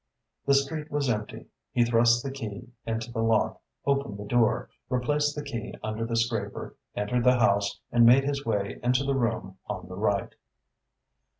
The street was empty. He thrust the key into the lock, opened the door, replaced the key under the scraper, entered the house and made his way into the room on the right.